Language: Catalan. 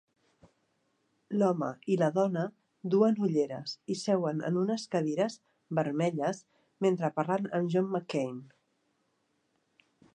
L'home i la dona duen ulleres i seuen en unes cadires vermelles mentre parlen amb John McCain